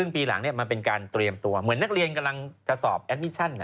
เป็นการเตรียมตัวเหมือนนักเรียนกำลังจะสอบแอดมิชชั่นน่ะ